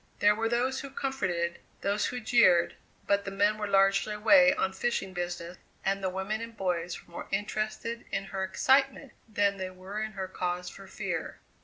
There were those who comforted, those who jeered, but the men were largely away on fishing business, and the women and boys were more interested in her excitement than they were in her cause for fear.